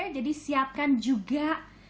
jadi siapkan juga